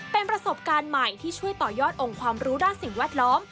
เป็นประสบการณ์ใหม่ที่ช่วยต่อยอดองค์ความรู้ด้านสิ่งแวดล้อม